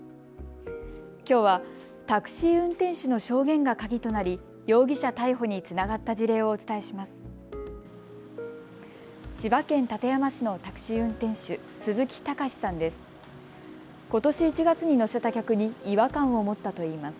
きょうはタクシー運転手の証言が鍵となり容疑者逮捕につながった事例をお伝えします。